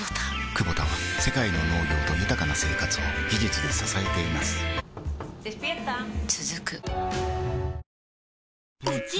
クボタは世界の農業と豊かな生活を技術で支えています起きて。